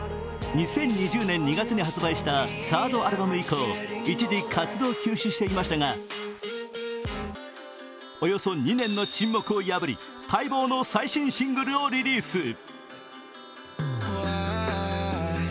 ２０２０年２月に発売したサードアルバム以降一時活動休止していましたがおよそ２年の沈黙を破りおよそ２年の沈黙を破り待望の最新シングルをリリース。